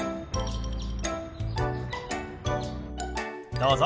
どうぞ。